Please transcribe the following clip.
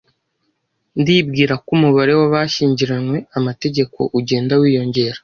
Ndibwira ko umubare w'abashyingiranywe-amategeko ugenda wiyongera.